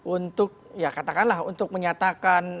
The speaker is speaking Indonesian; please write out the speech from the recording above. untuk ya katakanlah untuk menyatakan